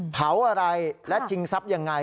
เผาอะไรและชิงทรัพย์ยังไง